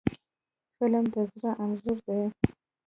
فلم د زړه انځور دی